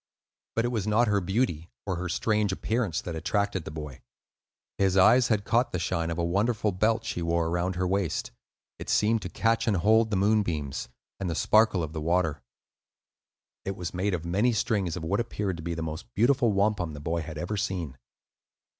But it was not her beauty or her strange appearance that attracted the boy; his eyes had caught the shine of a wonderful belt she wore around her waist. It seemed to catch and hold the moonbeams and the sparkle of the water. It was made of many strings of what appeared to be the most beautiful wampum the boy had ever seen.